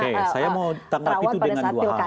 oke saya mau tanggap itu dengan dua hal